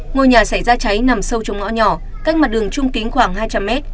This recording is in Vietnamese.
ngôi nhà xảy ra cháy nằm sâu trong ngõ nhỏ cách mặt đường trung kính khoảng hai trăm linh mét